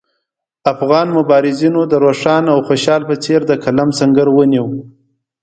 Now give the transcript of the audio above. افغان مبارزینو د روښان او خوشحال په څېر د قلم سنګر ونیو.